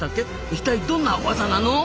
一体どんな技なの？